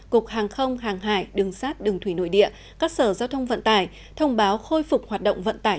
cục hàng không hàng hải đường sát đường thủy nội địa các sở giao thông vận tải